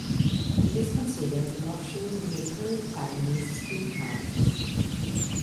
It is considered an offshoot of Military Families Speak Out.